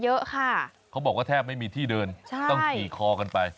เยอะค่ะเขาบอกว่าแทบไม่มีที่เดินใช่ต้องขี่คอกันไป